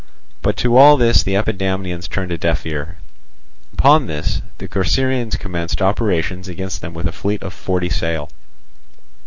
But to all this the Epidamnians turned a deaf ear. Upon this the Corcyraeans commenced operations against them with a fleet of forty sail.